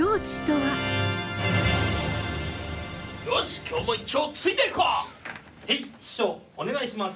よし！